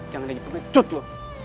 jangan lagi pengecut lo